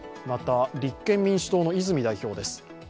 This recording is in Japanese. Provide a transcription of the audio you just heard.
また、立憲民主党の泉代表です。